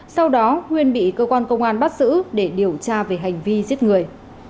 sau đó huyên bị cơ quan công an bắt xử để điều tra về hành vi giết người